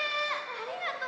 ありがとう。